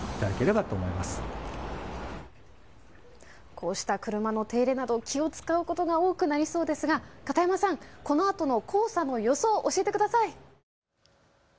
こうした車の手入れなど気を遣うことが多くなりそうですが片山さん、このあとの黄砂の予想、教えてください。